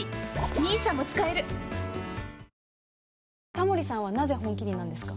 タモリさんはなぜ「本麒麟」なんですか？